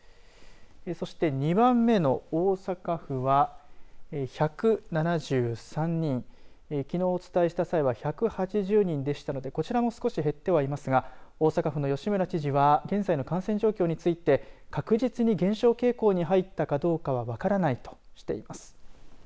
そして、２番目の大阪府は１７３人きのう、お伝えした際は１８０人でしたのでこちらも少し減ってはいますが大阪府の吉村知事は現在の感染状況について確実に減少傾向に入ったかどうかは分からないとしています。